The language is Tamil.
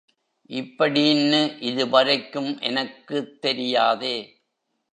இப்படீன்னு இதுவரைக்கும் எனக்குத் தெரியாதே!